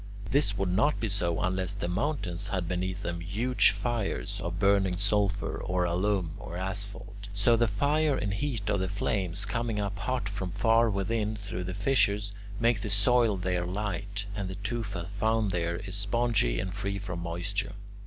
This would not be so unless the mountains had beneath them huge fires of burning sulphur or alum or asphalt. So the fire and the heat of the flames, coming up hot from far within through the fissures, make the soil there light, and the tufa found there is spongy and free from moisture.